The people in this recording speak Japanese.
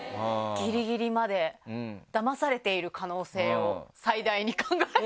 ギリギリまでだまされている可能性を最大に考えて。